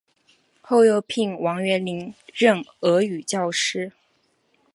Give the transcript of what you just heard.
后又聘王元龄任俄语教师。